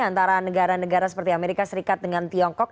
antara negara negara seperti amerika serikat dengan tiongkok